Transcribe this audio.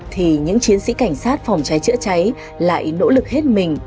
thì những chiến sĩ cảnh sát phòng cháy chữa cháy lại nỗ lực hết mình